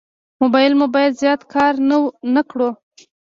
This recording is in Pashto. موبایل مو باید زیات کار نه کړو.